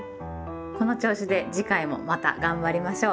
この調子で次回もまた頑張りましょう！